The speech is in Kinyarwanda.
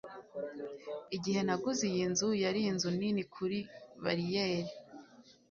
igihe nagura iyi nzu, yari inzu nini kuri bariyeri